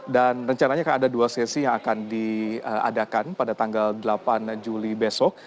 dan rencananya akan ada dua sesi yang akan diadakan pada tanggal delapan juli besok